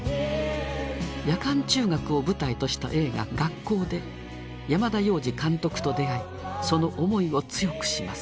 夜間中学を舞台とした映画「学校」で山田洋次監督と出会いその思いを強くします。